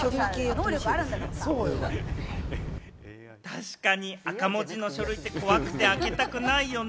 確かに赤文字の書類って怖くて開けたくないよね！